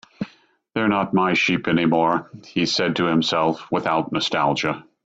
"They're not my sheep anymore," he said to himself, without nostalgia.